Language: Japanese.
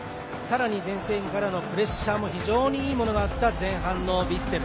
前線からのプレッシャーもいいものがあった前半のヴィッセル。